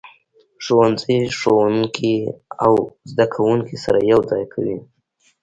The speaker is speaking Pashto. ښوونځی ښوونکي او زده کوونکي سره یو ځای کوي.